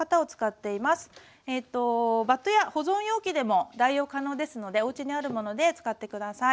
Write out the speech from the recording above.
バットや保存容器でも代用可能ですのでおうちにあるもので使って下さい。